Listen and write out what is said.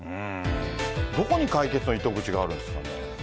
どこに解決の糸口があるんですかね。